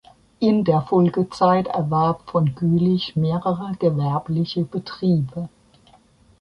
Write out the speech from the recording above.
In der Folgezeit erwarb von Gülich mehrere gewerbliche Betriebe.